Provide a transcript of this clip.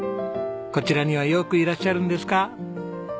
こちらにはよくいらっしゃるんですか？